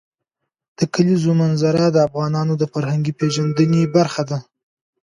د کلیزو منظره د افغانانو د فرهنګي پیژندنې برخه ده.